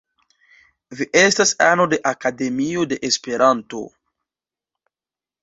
Vi estas ano de Akademio de Esperanto.